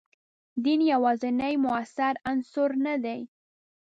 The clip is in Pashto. دین یوازینی موثر عنصر نه دی.